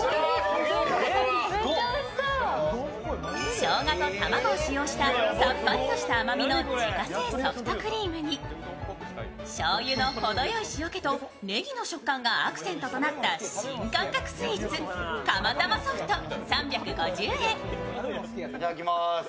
しょうがと卵を使用した、さっぱりとした甘みの自家製ソフトクリームにしょうゆのほどよい塩気とねぎの食感がアクセントとなった新感覚スイーツかまたまソフト３５０円。